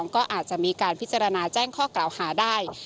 ก็อาจจะมีการพิจารณาแจ้งข้อกล่าวหาได้